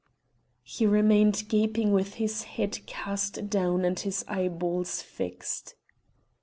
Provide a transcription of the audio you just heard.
He remained gaping with his head cast down and his eyeballs fixed.